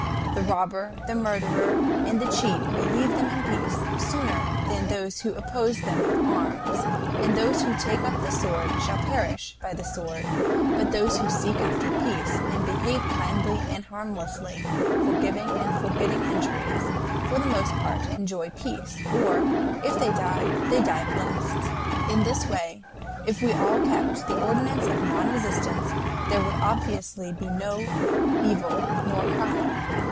The robber, the murderer, and the cheat will leave them in peace, sooner than those who oppose them with arms, and those who take up the sword shall perish by the sword, but those who seek after peace, and behave kindly and harmlessly, forgiving and forgetting injuries, for the most part enjoy peace, or, if they die, they die blessed. In this way, if all kept the ordinance of non resistance, there would obviously be no evil nor crime.